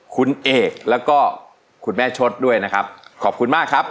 คุณเอกแล้วก็คุณแม่ชดด้วยนะครับขอบคุณมากครับ